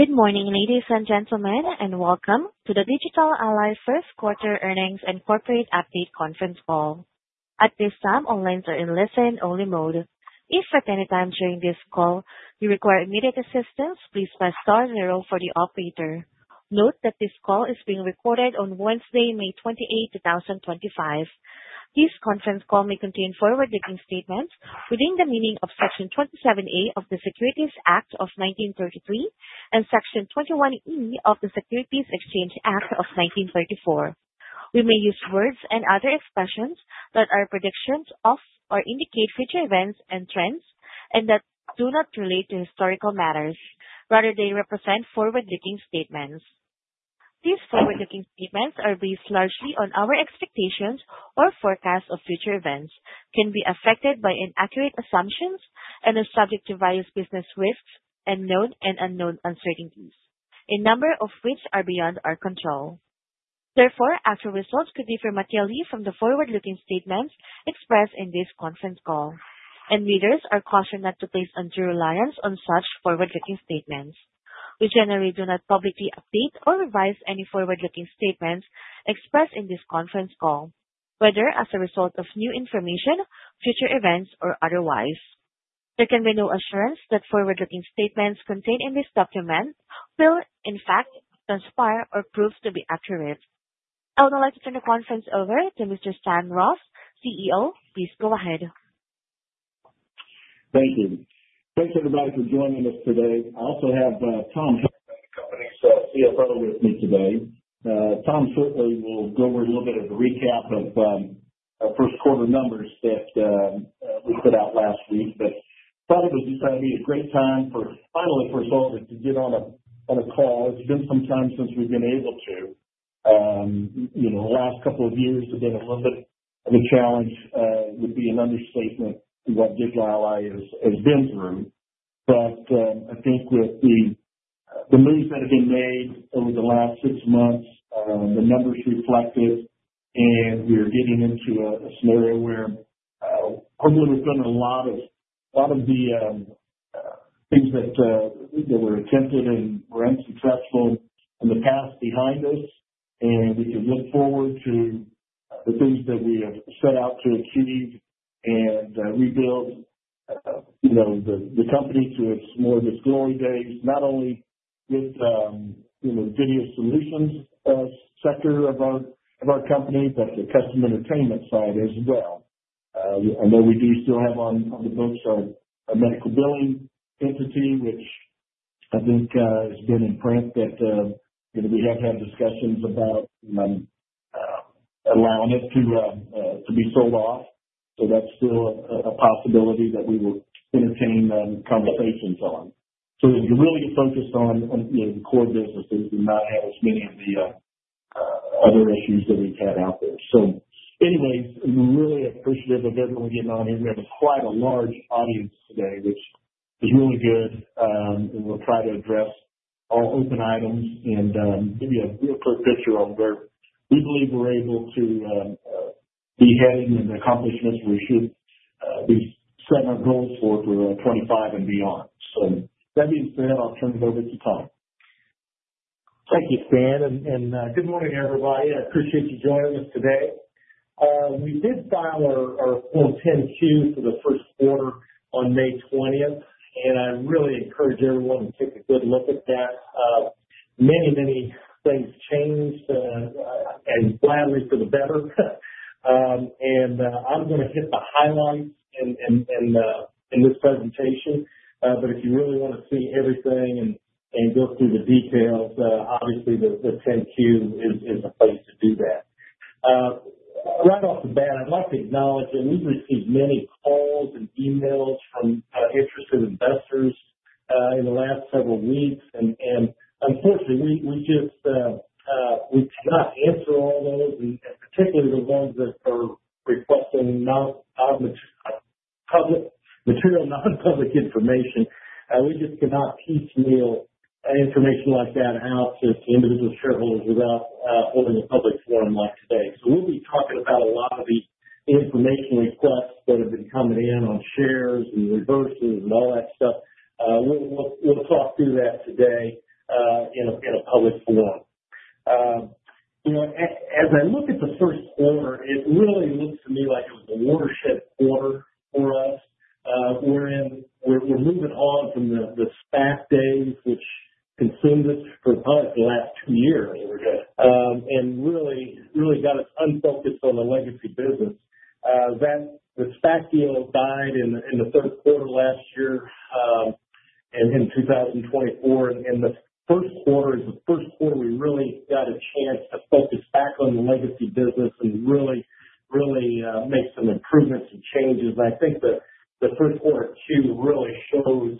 Good morning, ladies and gentlemen, and welcome to the Digital Ally First Quarter Earnings and Corporate Update Conference Call. At this time, all lines are in listen-only mode. If at any time during this call you require immediate assistance, please press star zero for the operator. Note that this call is being recorded on Wednesday, May 28, 2025. This conference call may contain forward-looking statements within the meaning of Section 27A of the Securities Act of 1933 and Section 21E of the Securities Exchange Act of 1934. We may use words and other expressions that are predictions of or indicate future events and trends, and that do not relate to historical matters. Rather, they represent forward-looking statements. These forward-looking statements are based largely on our expectations or forecasts of future events, can be affected by inaccurate assumptions and are subject to various business risks and known and unknown uncertainties, a number of which are beyond our control. Therefore, actual results could differ materially from the forward-looking statements expressed in this conference call, and readers are cautioned not to place undue reliance on such forward-looking statements. We generally do not publicly update or revise any forward-looking statements expressed in this conference call, whether as a result of new information, future events, or otherwise. There can be no assurance that forward-looking statements contained in this document will, in fact, transpire or prove to be accurate. I would now like to turn the conference over to Mr. Stan Ross, CEO. Please go ahead. Thank you. Thanks, everybody, for joining us today. I also have Tom Heckman, the company's CFO, with me today. Tom certainly will go over a little bit of a recap of our first quarter numbers that we put out last week. Probably this is going to be a great time for finally for us all to get on a call. It's been some time since we've been able to. The last couple of years have been a little bit of a challenge. It would be an understatement what Digital Ally has been through. I think with the moves that have been made over the last six months, the numbers reflected, and we are getting into a scenario where hopefully we've done a lot of the things that were attempted and were unsuccessful in the past behind us, and we can look forward to the things that we have set out to achieve and rebuild the company to its more of its glory days, not only with video solutions sector of our company, but the custom entertainment side as well. I know we do still have on the books our medical billing entity, which I think has been in print that we have had discussions about allowing it to be sold off. That is still a possibility that we will entertain conversations on. We're really focused on the core businesses and not have as many of the other issues that we've had out there. Anyways, we're really appreciative of everyone getting on here. We have quite a large audience today, which is really good. We'll try to address all open items and give you a real quick picture of where we believe we're able to be heading and the accomplishments we should be setting our goals for for 2025 and beyond. That being said, I'll turn it over to Tom. Thank you, Stan. Good morning, everybody. I appreciate you joining us today. We did file our full 10-Q for the first quarter on May 20th, and I really encourage everyone to take a good look at that. Many, many things changed, and gladly for the better. I'm going to hit the highlights in this presentation. If you really want to see everything and go through the details, obviously the 10-Q is the place to do that. Right off the bat, I'd like to acknowledge that we've received many calls and emails from interested investors in the last several weeks. Unfortunately, we just cannot answer all those, and particularly the ones that are requesting public, material, non-public information. We just cannot piecemeal information like that out to individual shareholders without holding a public forum like today. We'll be talking about a lot of the information requests that have been coming in on shares and reversals and all that stuff. We'll talk through that today in a public forum. As I look at the first quarter, it really looks to me like it was a watershed quarter for us, wherein we're moving on from the SPAC days, which consumed us for probably the last two years, and really got us unfocused on the legacy business. The SPAC deal died in the third quarter last year in 2024. The first quarter is the first quarter we really got a chance to focus back on the legacy business and really make some improvements and changes. I think the first quarter Q really shows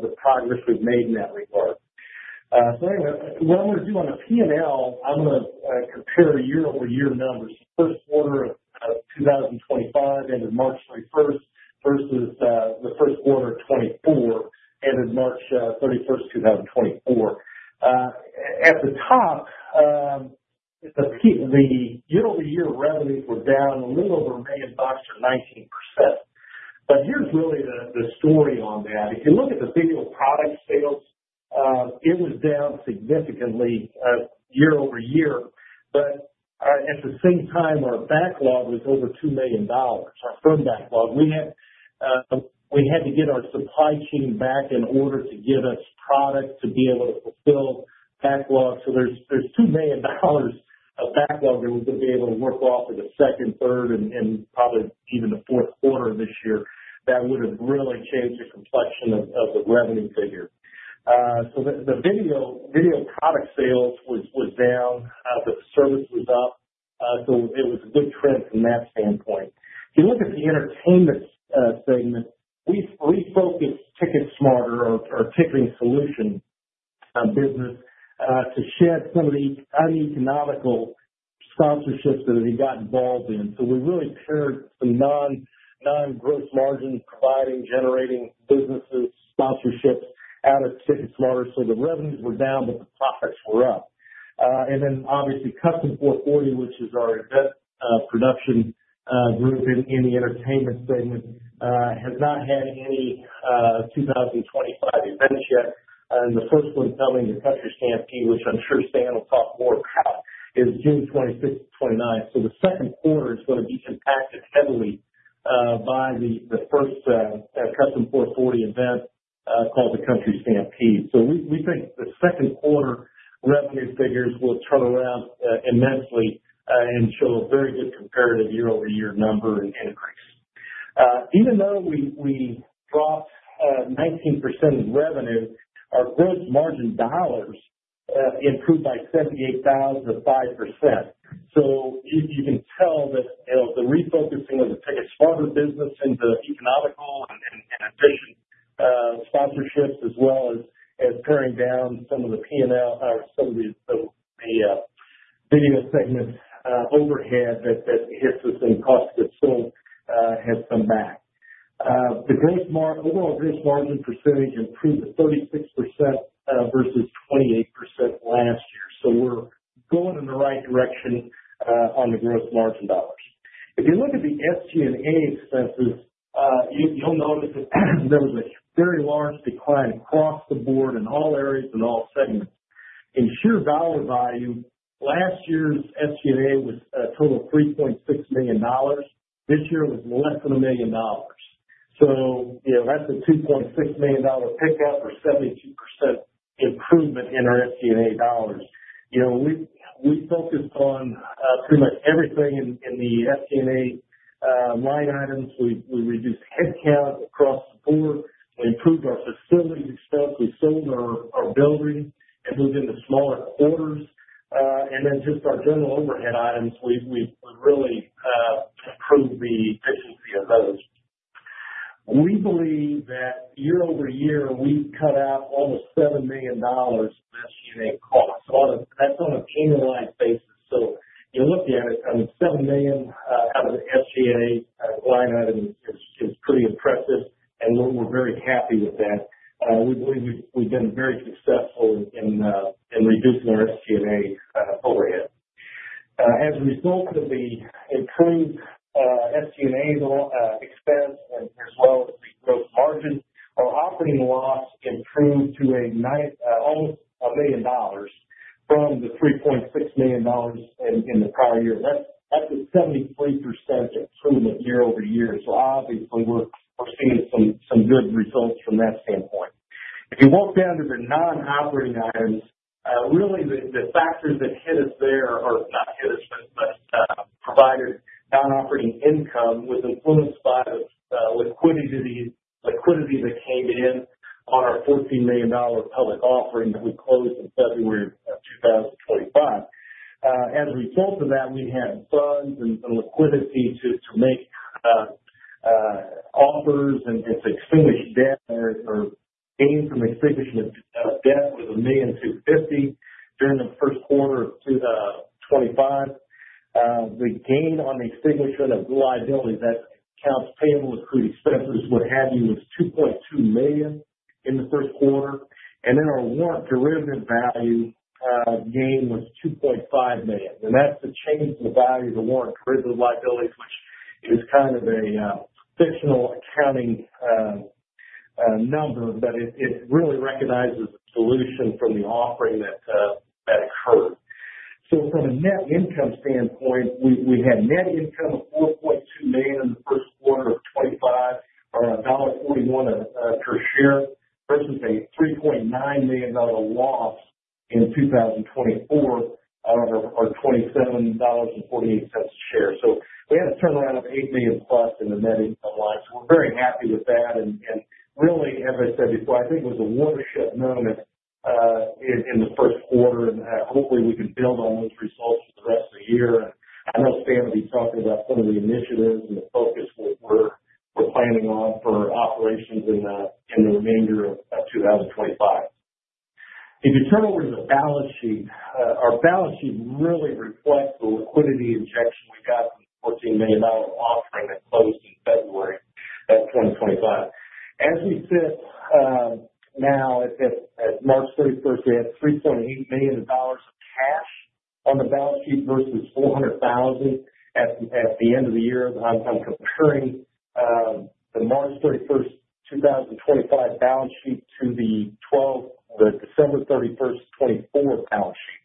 the progress we've made in that regard. Anyway, what I'm going to do on the P&L, I'm going to compare year-over-year numbers. First quarter of 2025 ended March 31 versus the first quarter of 2024 ended March 31, 2024. At the top, the year-over-year revenues were down a little over $1 million or 19%. Here's really the story on that. If you look at the video product sales, it was down significantly year-over-year. At the same time, our backlog was over $2 million, our firm backlog. We had to get our supply chain back in order to get us product to be able to fulfill backlog. There's $2 million of backlog that we're going to be able to work off in the second, third, and probably even the fourth quarter of this year that would have really changed the complexion of the revenue figure. The video product sales was down, but the service was up. It was a good trend from that standpoint. If you look at the entertainment segment, we focused TicketSmarter, our ticketing solution business, to shed some of the uneconomical sponsorships that we got involved in. We really paired some non-gross margin providing, generating businesses, sponsorships out of TicketSmarter. The revenues were down, but the profits were up. Obviously, Kustom 440, which is our event production group in the entertainment segment, has not had any 2025 events yet. The first one coming, the Country Stampede, which I am sure Stanton will talk more about, is June 26th to 29th. The second quarter is going to be impacted heavily by the first Kustom 440 event called the Country Stampede. We think the second quarter revenue figures will turn around immensely and show a very good comparative year-over-year number increase. Even though we dropped 19% in revenue, our gross margin dollars improved by $78,000 or 5%. You can tell that the refocusing of the TicketSmarter business into economical and efficient sponsorships, as well as paring down some of the P&L, some of the video segment overhead that hits us and costs that sold has come back. The overall gross margin percentage improved to 36% versus 28% last year. We are going in the right direction on the gross margin dollars. If you look at the SG&A expenses, you will notice that there was a very large decline across the board in all areas and all segments. In sheer dollar value, last year's SG&A was a total of $3.6 million. This year was less than $1 million. That is a $2.6 million pickup or 72% improvement in our SG&A dollars. We focused on pretty much everything in the SG&A line items. We reduced headcount across the board. We improved our facilities expense. We sold our building and moved into smaller quarters. And then just our general overhead items, we really improved the efficiency of those. We believe that year-over-year, we have cut out almost $7 million of SG&A costs. That is on an annualized basis. You look at it, I mean, $7 million out of the SG&A line item is pretty impressive, and we are very happy with that. We believe we have been very successful in reducing our SG&A overhead. As a result of the improved SG&A expense as well as the gross margin, our operating loss improved to almost $1 million from the $3.6 million in the prior year. That is a 73% improvement year-over-year. Obviously, we are seeing some good results from that standpoint. If you walk down to the non-operating items, really the factors that hit us there or not hit us, but provided non-operating income was influenced by the liquidity that came in on our $14 million public offering that we closed in February of 2025. As a result of that, we had funds and liquidity to make offers and to extinguish debt or gain from extinguishment of debt was $1,250,000 during the first quarter of 2025. The gain on the extinguishment of liabilities, that counts payable, accrued expenses, what have you, was $2.2 million in the first quarter. Our warrant derivative value gain was $2.5 million. That is the change in the value of the warrant derivative liabilities, which is kind of a fictional accounting number, but it really recognizes a solution from the offering that occurred. From a net income standpoint, we had net income of $4.2 million in the first quarter of 2025, or $1.41 per share, versus a $3.9 million loss in 2024 of $27.48 a share. We had a turnaround of $8 million plus in the net income line. We are very happy with that. Really, as I said before, I think it was a watershed moment in the first quarter. Hopefully, we can build on those results for the rest of the year. I know Stan will be talking about some of the initiatives and the focus we are planning on for operations in the remainder of 2025. If you turn over to the balance sheet, our balance sheet really reflects the liquidity injection we got from the $14 million offering that closed in February of 2025. As we sit now, at March 31, we had $3.8 million of cash on the balance sheet versus $400,000 at the end of the year. I'm comparing the March 31, 2025 balance sheet to the December 31, 2024 balance sheet.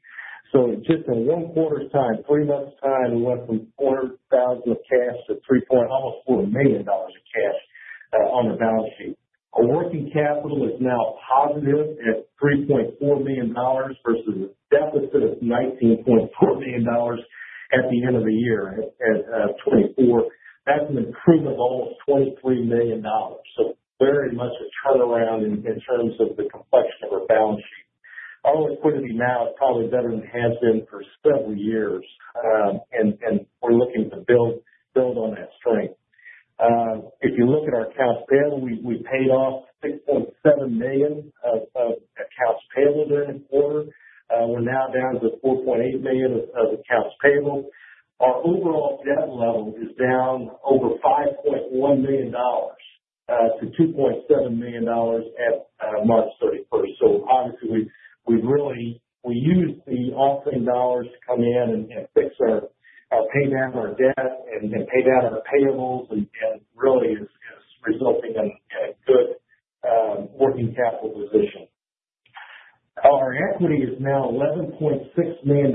Just in one quarter's time, three months' time, we went from $400,000 of cash to almost $3.8 million of cash on the balance sheet. Our working capital is now positive at $3.4 million versus a deficit of $19.4 million at the end of the year 2024. That is an improvement of almost $23 million. Very much a turnaround in terms of the complexion of our balance sheet. Our liquidity now is probably better than it has been for several years, and we're looking to build on that strength. If you look at our accounts payable, we paid off $6.7 million of accounts payable during the quarter. We're now down to $4.8 million of accounts payable. Our overall debt level is down over $5.1 million to $2.7 million at March 31. Obviously, we used the offering dollars to come in and fix our pay down our debt and pay down our payables, and really is resulting in a good working capital position. Our equity is now +$11.6 million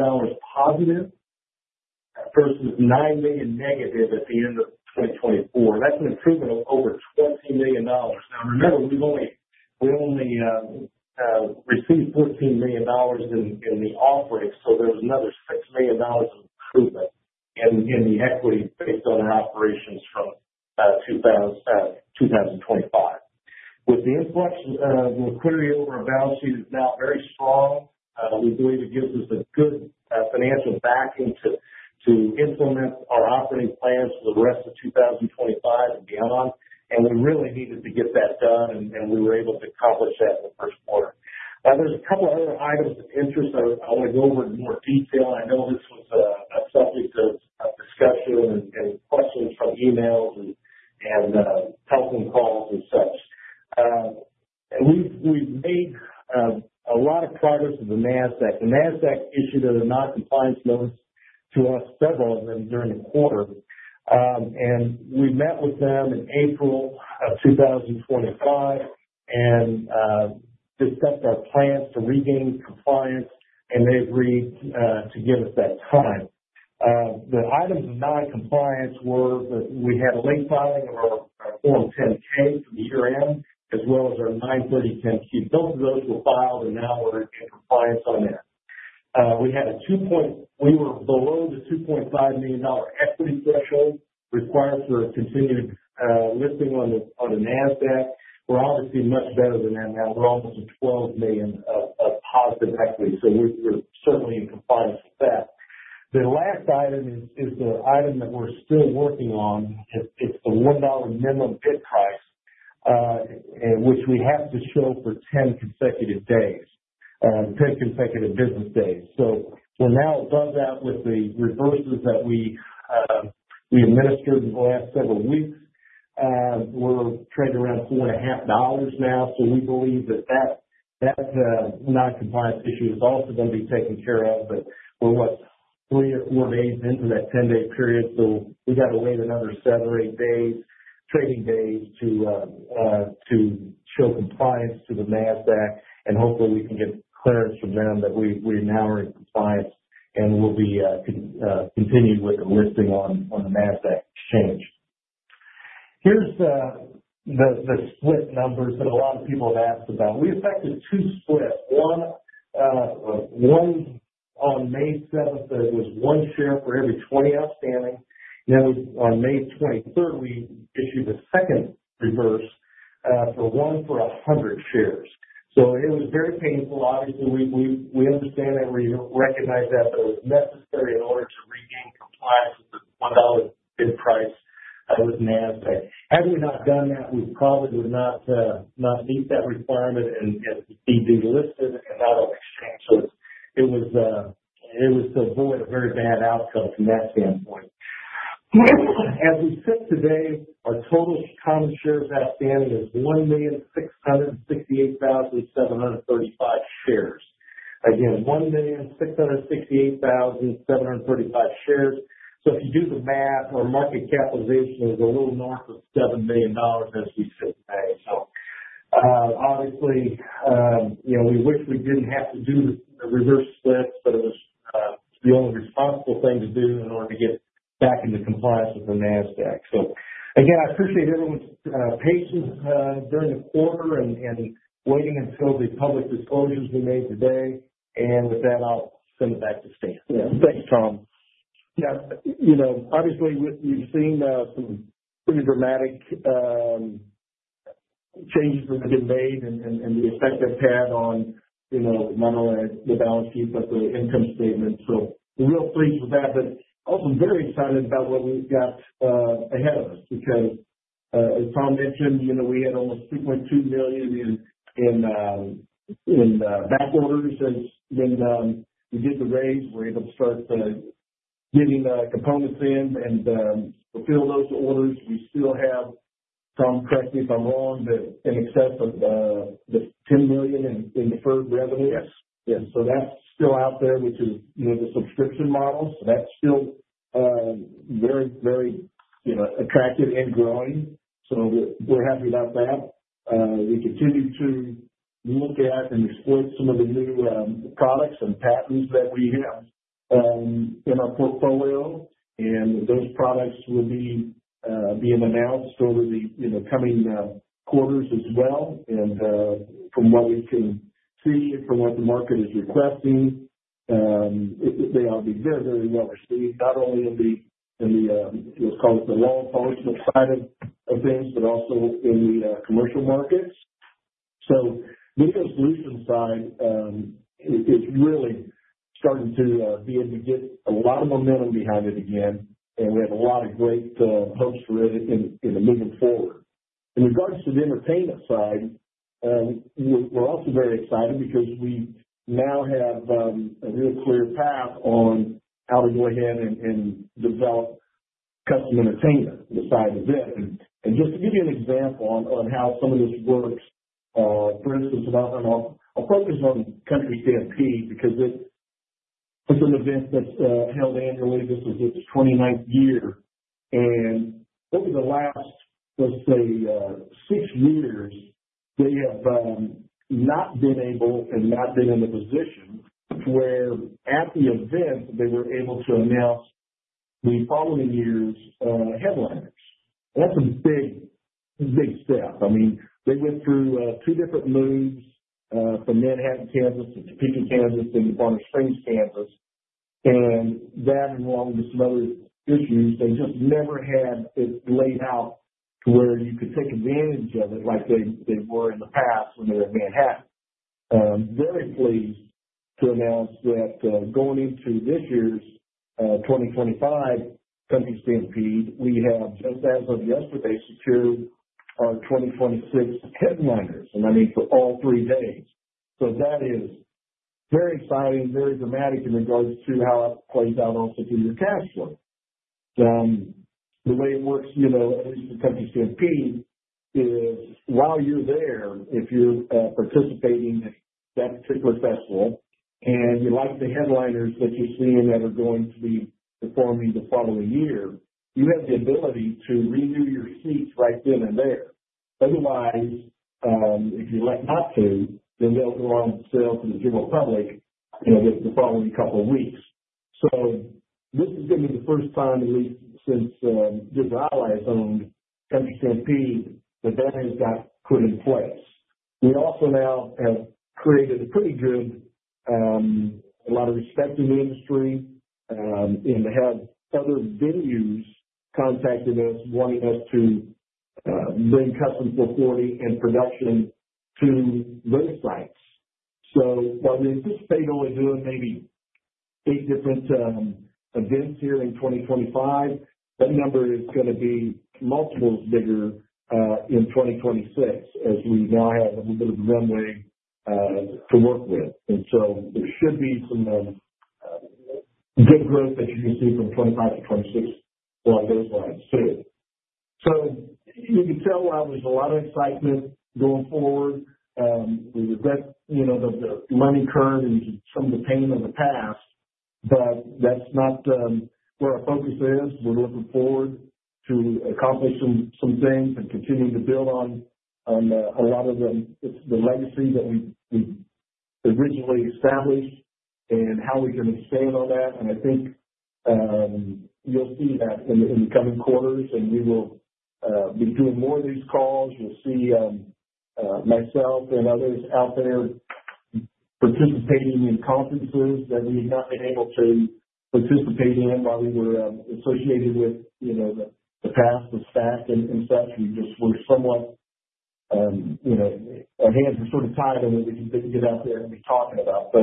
versus -$9 million at the end of 2024. That's an improvement of over $20 million. Now, remember, we only received $14 million in the offering, so there was another $6 million of improvement in the equity based on our operations from 2025. With the influx of liquidity over our balance sheet is now very strong. We believe it gives us a good financial backing to implement our operating plans for the rest of 2025 and beyond. We really needed to get that done, and we were able to accomplish that in the first quarter. Now, there are a couple of other items of interest I want to go over in more detail. I know this was a subject of discussion and questions from emails and telephone calls and such. We have made a lot of progress with the NASDAQ. The NASDAQ issued a non-compliance notice to us, several of them, during the quarter. We met with them in April of 2025 and discussed our plans to regain compliance, and they agreed to give us that time. The items of non-compliance were that we had a late filing of our Form 10-K from year-end, as well as our 9-30 10-Q. Both of those were filed, and now we are in compliance on that. We were below the $2.5 million equity threshold required for continued listing on the NASDAQ. We're obviously much better than that now. We're almost at $12 million of positive equity. So we're certainly in compliance with that. The last item is the item that we're still working on. It's the $1 minimum bid price, which we have to show for 10 consecutive days, 10 consecutive business days. So we're now above that with the reversals that we administered in the last several weeks. We're trading around $4.5 now. So we believe that that non-compliance issue is also going to be taken care of. But we're what, three or four days into that 10-day period? So we got to wait another seven or eight trading days to show compliance to the NASDAQ. And hopefully, we can get clearance from them that we now are in compliance and will be continuing with the listing on the NASDAQ exchange. Here's the split numbers that a lot of people have asked about. We effected two splits. One on May 7, it was one share for every 20 outstanding. Then on May 23, we issued a second reverse for one for 100 shares. It was very painful. Obviously, we understand that. We recognize that it was necessary in order to regain compliance with the $1 bid price with NASDAQ. Had we not done that, we probably would not meet that requirement and be delisted and not on the exchange. It was to avoid a very bad outcome from that standpoint. As we sit today, our total common shares outstanding is 1,668,735 shares. Again, 1,668,735 shares. If you do the math, our market capitalization is a little north of $7 million as we sit today. Obviously, we wish we did not have to do the reverse split, but it was the only responsible thing to do in order to get back into compliance with the NASDAQ. I appreciate everyone's patience during the quarter and waiting until the public disclosures we made today. With that, I'll send it back to Stan. Yeah. Thanks, Tom. Yeah. Obviously, we've seen some pretty dramatic changes that have been made and the effect they've had on not only the balance sheet but the income statement. We're real pleased with that, but also very excited about what we've got ahead of us because, as Tom mentioned, we had almost $2.2 million in back orders. When we did the raise, we were able to start getting components in and fulfill those orders. We still have, Tom, correct me if I'm wrong, but an excess of $10 million in deferred revenue. Yes. Yes. So that's still out there, which is the subscription model. That's still very, very attractive and growing. We're happy about that. We continue to look at and exploit some of the new products and patents that we have in our portfolio. Those products will be being announced over the coming quarters as well. From what we can see and from what the market is requesting, they ought to be very, very well received, not only in the, let's call it, the long functional side of things, but also in the commercial markets. The video solutions side is really starting to be able to get a lot of momentum behind it again. We have a lot of great hopes for it moving forward. In regards to the entertainment side, we're also very excited because we now have a real clear path on how to go ahead and develop custom entertainment inside the bit. And just to give you an example on how some of this works, for instance, our focus on Country Stampede because it's an event that's held annually. This is its 29th year. And over the last, let's say, six years, they have not been able and not been in the position where, at the event, they were able to announce the following year's headliners. That's a big step. I mean, they went through two different moves from Manhattan, Kansas, to Topeka, Kansas, and to Bonner Springs, Kansas. That, along with some other issues, they just never had it laid out to where you could take advantage of it like they were in the past when they were at Manhattan. Very pleased to announce that going into this year's 2025 Country Stampede, we have, just as of yesterday, secured our 2026 headliners. I mean, for all three days. That is very exciting, very dramatic in regards to how it plays out also through your cash flow. The way it works, at least at Country Stampede, is while you're there, if you're participating in that particular festival and you like the headliners that you're seeing that are going to be performing the following year, you have the ability to renew your seats right then and there. Otherwise, if you elect not to, then they'll go on sale to the general public the following couple of weeks. This is going to be the first time, at least since Digital Ally has owned Country Stampede, that that has got put in place. We also now have created a pretty good, a lot of respect in the industry, and to have other venues contacting us, wanting us to bring Kustom 440 and production to their sites. While we anticipate only doing maybe eight different events here in 2025, that number is going to be multiples bigger in 2026 as we now have a little bit of runway to work with. There should be some good growth that you can see from 2025 to 2026 along those lines too. You can tell there's a lot of excitement going forward. We regret the money curve and some of the pain of the past, but that's not where our focus is. We're looking forward to accomplishing some things and continuing to build on a lot of the legacy that we originally established and how we can expand on that. I think you'll see that in the coming quarters. We will be doing more of these calls. You'll see myself and others out there participating in conferences that we have not been able to participate in while we were associated with the past, the staff, and such. We just were somewhat, our hands were sort of tied on what we could get out there and be talking about.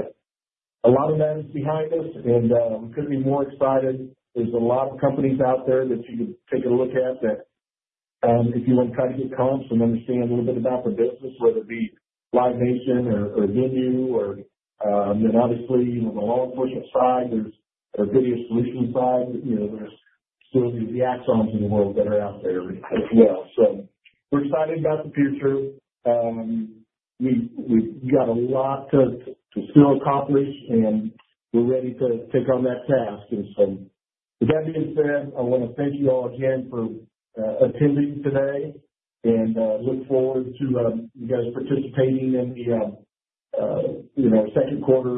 A lot of that is behind us, and we couldn't be more excited. There's a lot of companies out there that you can take a look at if you want to try to get comps and understand a little bit about the business, whether it be Live Nation or Venue. Obviously, on the law enforcement side, there's video solutions. There's still the Axons in the world that are out there as well. We're excited about the future. We've got a lot to still accomplish, and we're ready to take on that task. With that being said, I want to thank you all again for attending today and look forward to you guys participating in the second quarter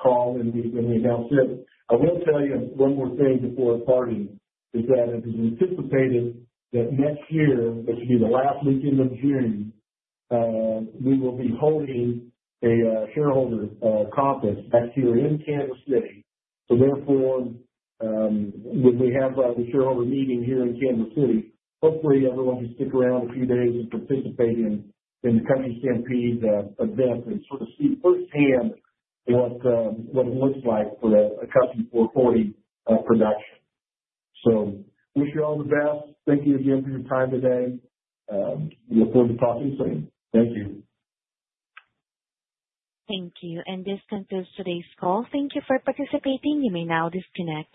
call when we announce it. I will tell you one more thing before parting is that it is anticipated that next year, which will be the last weekend of June, we will be holding a shareholder conference next year in Kansas City. Therefore, when we have the shareholder meeting here in Kansas City, hopefully, everyone can stick around a few days and participate in the Country Stampede event and sort of see firsthand what it looks like for a Kustom 440 production. Wish you all the best. Thank you again for your time today. Look forward to talking soon. Thank you. Thank you. This concludes today's call. Thank you for participating. You may now disconnect.